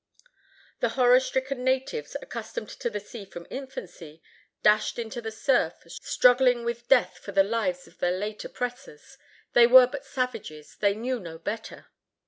The horror stricken natives, accustomed to the sea from infancy, dashed into the surf, struggling with death for the lives of their late oppressors. They were but savages; they knew no better.